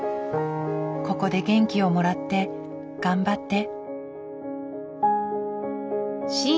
ここで元気をもらって頑張って。